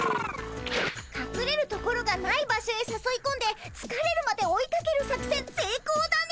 かくれるところがない場所へさそいこんでつかれるまで追いかける作戦せいこうだね。